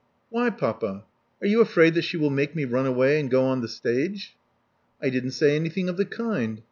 Why, papa? Are you afraid that she will make me run away and go on the stage?" I didn't say anything of the kind.